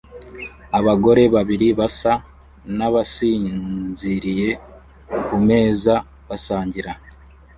Abagore babiri basa nabasinziriye kumeza basangira